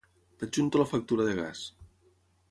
T'adjunto la factura de gas